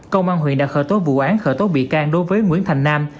công an huyện đã khởi tố vụ án khởi tố bị can đối với nguyễn thành nam